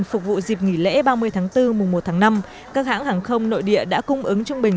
phục vụ dịp nghỉ lễ ba mươi tháng bốn mùa một tháng năm các hãng hàng không nội địa đã cung ứng trung bình